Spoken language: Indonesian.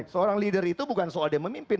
seorang leader itu bukan soal dia memimpin